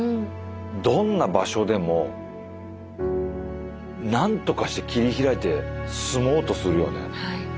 どんな場所でもなんとかして切りひらいて住もうとするよね。